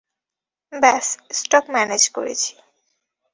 ব্যাস stock manage করছি।